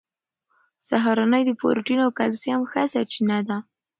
سهارنۍ د پروټین او کلسیم ښه سرچینه ده.